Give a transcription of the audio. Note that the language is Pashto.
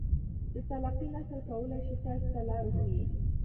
د تلقين اصل کولای شي تاسې ته لار وښيي.